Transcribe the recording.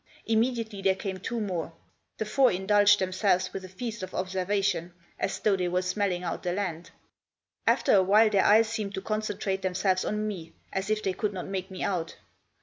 Imme diately there came two more. The four indulged themselves with a feast of observation, as though they were smelling out the land. After a while their eyes seemed to concentrate themselves on me, as if they could not make me out.